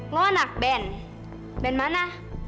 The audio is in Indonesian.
lo anak ben ben mana